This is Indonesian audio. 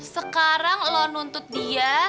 sekarang lo nuntut dia